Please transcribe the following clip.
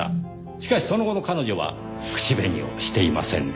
しかしその後の彼女は口紅をしていませんでした。